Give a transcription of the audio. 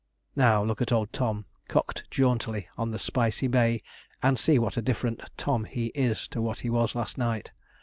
Now look at old Tom, cocked jauntily on the spicey bay and see what a different Tom he is to what he was last night.